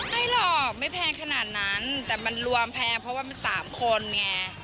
ไม่หรอกไม่แพงขนาดนั้นแต่มันรวมแพงเพราะว่ามัน๓คนไง